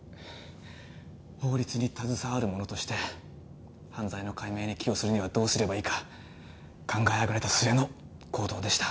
法律に携わる者として犯罪の解明に寄与するにはどうすればいいか考えあぐねた末の行動でした。